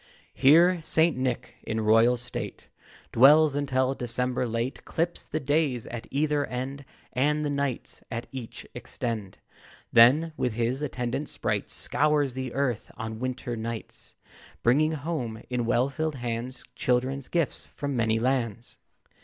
Here St. Nick, in royal state, Dwells, until December late Clips the days at either end, And the nights at each extend; Then, with his attendant sprites, Scours the earth on wintry nights, Bringing home, in well filled hands, Children's gifts from many lands.